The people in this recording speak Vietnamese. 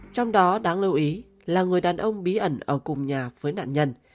trong đó đáng lưu ý là người đàn ông bí ẩn ở cùng nhà với nạn nhân